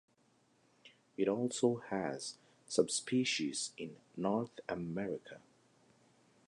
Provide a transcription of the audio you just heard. It also has subspecies in North America.